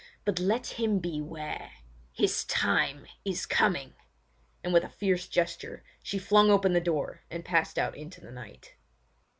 But let him beware! His time is coming!" and with a fierce gesture she flung open the door and passed out into the night.